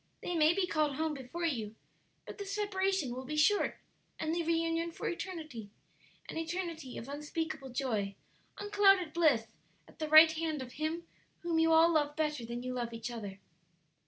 They may be called home before you, but the separation will be short and the reunion for eternity an eternity of unspeakable joy, unclouded bliss at the right hand of Him whom you all love better than you love each other."